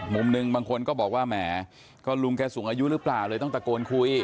มุมหนึ่งบางคนก็บอกว่าแหมก็ลุงแกสูงอายุหรือเปล่าเลยต้องตะโกนคุย